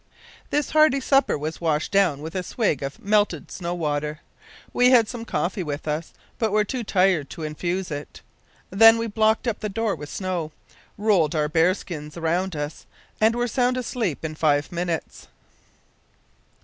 "This hearty supper was washed down with a swig of melted snow water. We had some coffee with us, but were too tired to infuse it. Then we blocked up the door with snow, rolled our bear skins round us, and were sound asleep in five minutes.